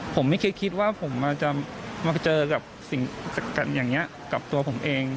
ผมไม่เคยคิดว่าผมจะมาเจอกับสิ่งอย่างนี้กับตัวผมเอง